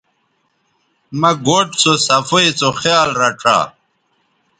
مہ گوٹھ سوصفائ سو خیال رڇھا